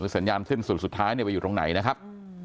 สัญญาณสิ้นสุดสุดท้ายไปอยู่ตรงไหนนะครับ